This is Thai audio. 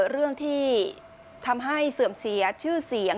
เรื่องที่ทำให้เสื่อมเสียชื่อเสียง